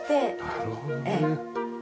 なるほどね。